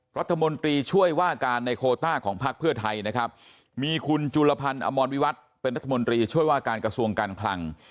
รัฐมนตรีช่วยว่าการในโคต้าของพักเพื่อไทยนะครับมีคุณจุลพันธ์อมรวิวัตรเป็นรัฐมนตรีช่วยว่าการกระทรวงการคลัง